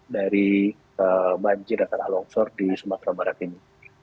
dari banjir dan tanah longsor di sumatera barat ini